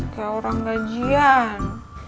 kayak orang gajian